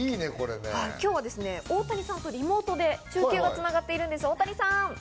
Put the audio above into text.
今日は大谷さんとリモートで中継が繋がっているんです、大谷さん。